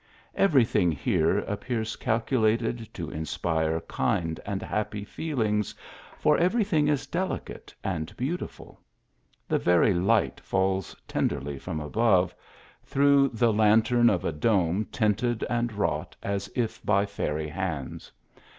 Everything here appear THE COURT OP LIONS. C.j calculated to inspire kind and liappy feelings, for every thing 1 is delicate and beautiful. The very light falls tenderly from above, through the lantern of a dome tinted and wrought as if by fairy hands.